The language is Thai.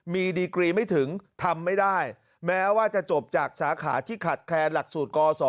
มีดีกรีไม่ถึงทำไม่ได้แม้ว่าจะจบจากสาขาที่ขาดแคลนหลักสูตรกศ